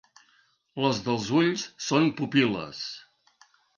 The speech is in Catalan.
Les dels ulls són pupil·les.